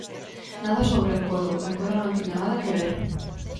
Nada sobre o encoro, o encoro non tiña nada que ver.